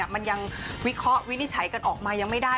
มันยังวิเคราะห์วินิจฉัยกันออกมายังไม่ได้